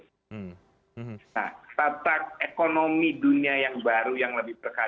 nah tata ekonomi dunia yang baru yang lebih berkala